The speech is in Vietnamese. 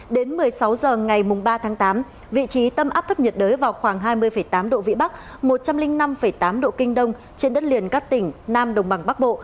đến một mươi sáu h ngày ba tháng tám vị trí tâm áp thấp nhiệt đới vào khoảng hai mươi tám độ vĩ bắc một trăm linh năm tám độ kinh đông trên đất liền các tỉnh nam đồng bằng bắc bộ